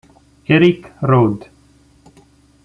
Erik Rhodes